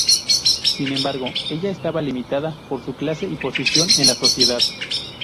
Sin embargo, ella estaba limitada por su clase y posición en la sociedad.